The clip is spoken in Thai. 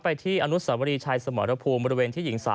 ไปที่อาณุษย์สมรผูมบริเวณที่หญิง๓